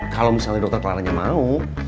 kalau misalnya dokter clara nya mau